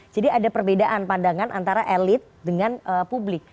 jadi ada perbedaan pandangan antara elit dengan publik